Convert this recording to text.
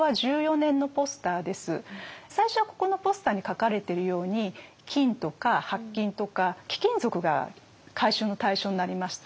最初はここのポスターに書かれてるように金とか白金とか貴金属が回収の対象になりました。